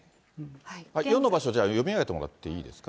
４の場所、じゃあ読み上げってもらっていいですか。